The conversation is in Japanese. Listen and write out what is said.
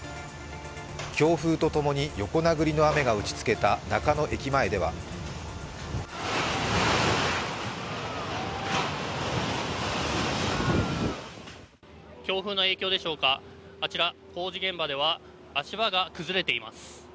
強風とともに横殴りの雨が打ち付けた中野駅前では強風の影響でしょうか、あちら、工事現場では足場が崩れています。